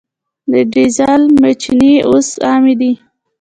د ډیزل میچنې اوس عامې دي.